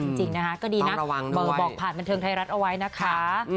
จริงนะคะก็ดีนะบอกผ่านบันเทิงไทยรัฐเอาไว้นะคะ